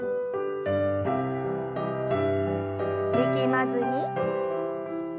力まずに。